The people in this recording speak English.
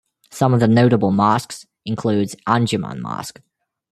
Some of the Notable mosques includes Anjuman Mosque.